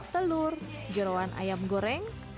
telur jerawan ayam goreng